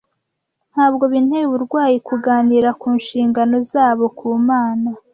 Ntabwo binteye uburwayi kuganira ku nshingano zabo ku Mana,